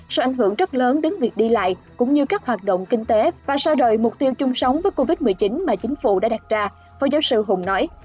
sẽ ảnh hưởng rất lớn đến việc đi lại cũng như các hoạt động kinh tế và sao đời mục tiêu chung sống với covid một mươi chín mà chính phủ đã đặt ra phó giáo sư hùng nói